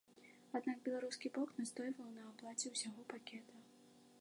Аднак беларускі бок настойваў на аплаце ўсяго пакета.